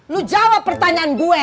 lu jawab pertanyaan gue